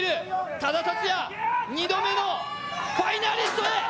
多田竜也２度目のファイナリストへ。